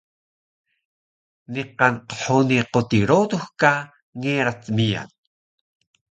niqan qhuni quti rodux ka ngerac miyan